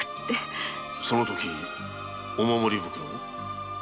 そのときお守り袋を？